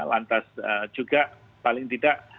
lantas juga paling tidak